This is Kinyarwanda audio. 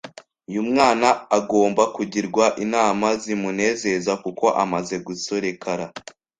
Uyu mwana agomba kugirwa inama zimunezeza kuko amaze gusorekara